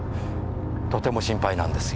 とても心配なんですよ。